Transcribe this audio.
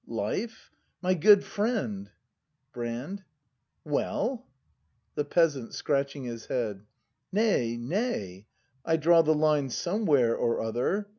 life? My good friend ! Well? Brand. The Peasant. [Scratching his head.] Nay, nay, I draw the line somewhere or other